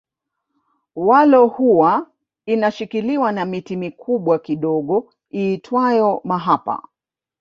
Walo huwa inashikiliwa na miti mikubwa kidogo iitwayo mahapa